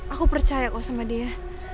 aku percaya kok sama dia